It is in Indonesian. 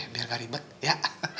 biar nggak ribet ya